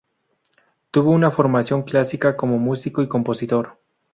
Tuvo una formación clásica como músico y compositor.